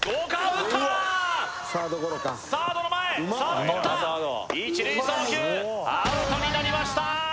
打ったサードの前サード捕った一塁送球アウトになりました